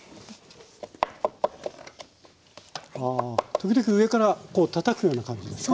時々上からたたくような感じですか？